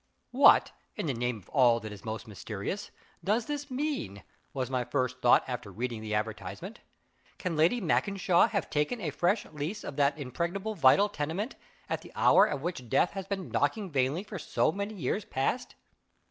What, in the name of all that is most mysterious, does this mean! was my first thought after reading the advertisement. Can Lady Malkinshaw have taken a fresh lease of that impregnable vital tenement, at the door of which Death has been knocking vainly for so many years past?